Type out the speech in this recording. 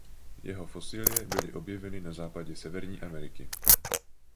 Jeho fosilie byly objeveny na západě Severní Ameriky.